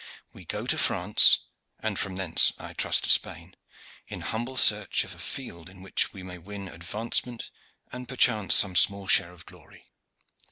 We go to France, and from thence I trust to Spain, in humble search of a field in which we may win advancement and perchance some small share of glory.